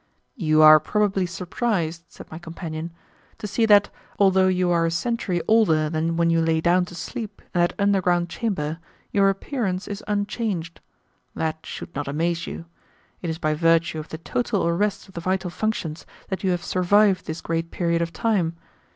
"You are probably surprised," said my companion, "to see that, although you are a century older than when you lay down to sleep in that underground chamber, your appearance is unchanged. That should not amaze you. It is by virtue of the total arrest of the vital functions that you have survived this great period of time.